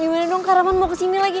aduh gimana dong kak raman mau kesini lagi